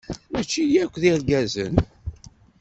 Maci akk d irgazen.